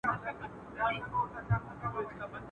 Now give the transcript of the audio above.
ګل ته ور نیژدې سمه اغزي مي تر زړه وخیژي.